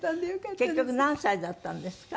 結局何歳だったんですか？